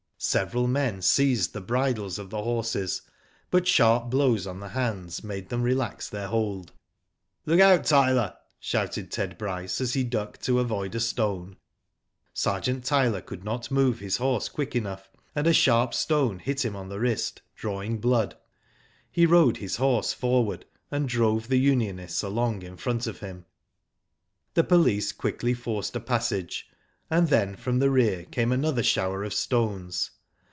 Several men seized the bridles of the horses, but sharp blows on the hands made them relax their hold. '* Look out, Tyler," shouted Ted Bryce, as he ducked to avoid a stone. Sergeant Tyler could not move his horse quick enough, and a sharp stone hit him on the wrist, drawing blood. He rode his horse forward, and drove the unionists along in front of him. The police quickly forced a passage, and then, from the rear, came another shower of stones.